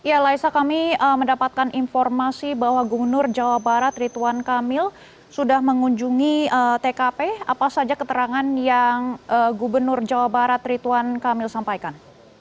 ya laisa kami mendapatkan informasi bahwa gubernur jawa barat rituan kamil sudah mengunjungi tkp apa saja keterangan yang gubernur jawa barat rituan kamil sampaikan